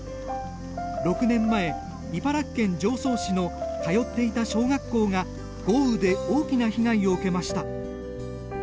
６年前茨城県常総市の通っていた小学校が豪雨で大きな被害を受けました。